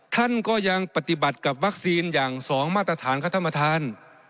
ท่านก็ยังปฏิบัติกับวัคซีนอย่างสองมาตรฐานข้าท่านมาทาน